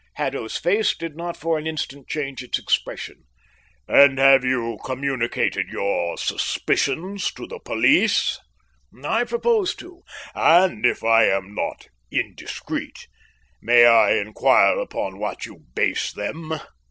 Haddo's face did not for an instant change its expression. "And have you communicated your suspicions to the police?" "I propose to." "And, if I am not indiscreet, may I inquire upon what you base them?"